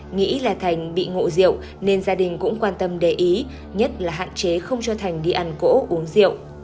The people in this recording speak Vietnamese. nghĩ là thành bị ngộ rượu nên gia đình cũng quan tâm để ý nhất là hạn chế không cho thành đi ăn cỗ uống rượu